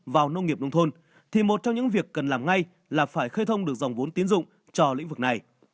vào nông nghiệp nông thôn thì một trong những việc cần làm ngay là phải khơi thông được dòng vốn tiến dụng cho lĩnh vực này